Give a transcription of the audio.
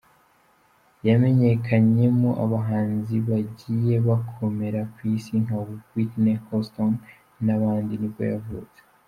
yamenyekanyemo abahanzi bagiye bakomera ku isi nka Whitney Houston n’abandi nibwo yavutse.